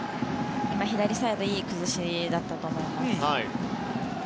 今、左サイドいい崩しだったと思います。